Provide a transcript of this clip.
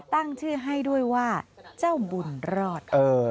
ตั้งชื่อให้ด้วยว่าเจ้าบุญรอด